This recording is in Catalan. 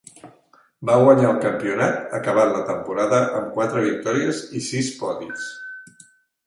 Va guanyar el campionat, acabant la temporada amb quatre victòries i sis podis.